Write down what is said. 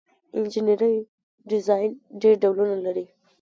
انجنیری ډیزاین ډیر ډولونه لري.